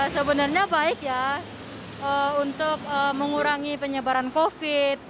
sebenarnya baik ya untuk mengurangi penyebaran covid